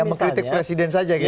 yang mengkritik presiden saja gitu ya